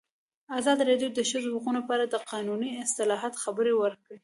ازادي راډیو د د ښځو حقونه په اړه د قانوني اصلاحاتو خبر ورکړی.